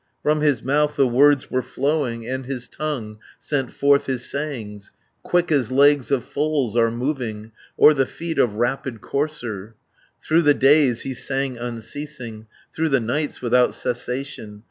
From his mouth the words were flowing, And his tongue sent forth his sayings, 560 Quick as legs of foals are moving, Or the feet of rapid courser. Through the days he sang unceasing, Through the nights without cessation.